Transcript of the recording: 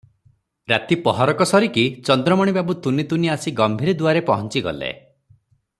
ରାତି ପହରକ ସରିକି ଚନ୍ଦ୍ରମଣି ବାବୁ ତୁନି ତୁନି ଆସି ଗମ୍ଭୀରି ଦୁଆରେ ପହଞ୍ଚି ଗଲେ ।